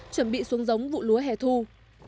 chuẩn bị xuống giống vụ lúa hẻ thu